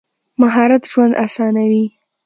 مهارت ژوند اسانوي.